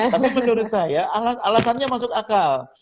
tapi menurut saya alasannya masuk akal